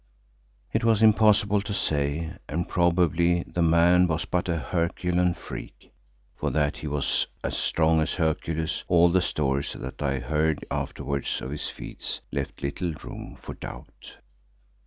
It was impossible to say and probably the man was but a Herculean freak, for that he was as strong as Hercules all the stories that I heard afterwards of his feats, left little room for doubt.